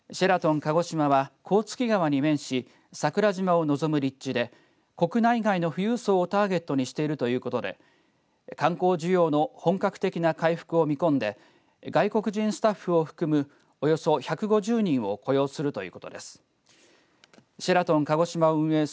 鹿児島は甲突川に面し桜島を望む立地で国内外の富裕層をターゲットにしているということで観光需要の本格的な回復を見込んで外国人スタッフを含むおよそ１５０人を雇用するということです。